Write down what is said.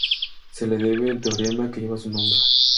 Se le debe el teorema que lleva su nombre.